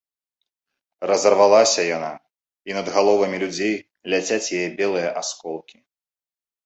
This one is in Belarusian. Разарвалася яна, і над галовамі людзей ляцяць яе белыя асколкі.